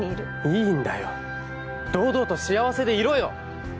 いいんだよ、堂々と幸せでいろよ！